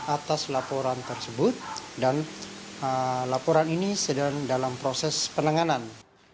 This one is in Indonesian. atas laporan tersebut dan laporan ini sedang dalam proses penanganan